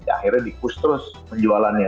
akhirnya dikurs terus penjualannya